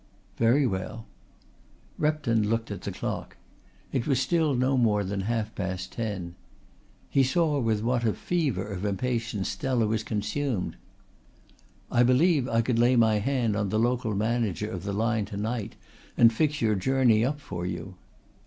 "Very well." Repton looked at the clock. It was still no more than half past ten. He saw with what a fever of impatience Stella was consumed. "I believe I could lay my hand on the local manager of the line to night and fix your journey up for you."